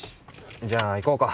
じゃあ行こうか。